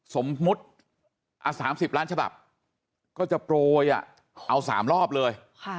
สมมุติ๓๐ล้านฉบับก็จะโปรยเอา๓รอบเลย